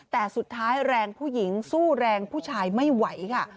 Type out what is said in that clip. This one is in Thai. แต่สุดท้ายแรงผู้หญิงสู้แรงผู้ชายไม่ไหวค่ะ